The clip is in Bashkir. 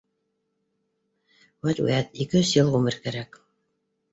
Вәт-вәт, ике-өс йыл ғүмер кәрәк